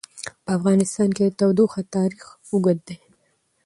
په افغانستان کې د تودوخه تاریخ اوږد دی.